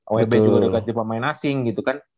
oep juga udah ganti pemain asing gitu kan